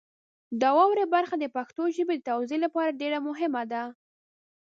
د واورئ برخه د پښتو ژبې د توزیع لپاره ډېره مهمه ده.